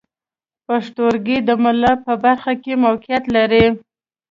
پښتورګي د ملا په برخه کې موقعیت لري.